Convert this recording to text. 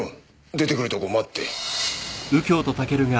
出てくるとこ待って。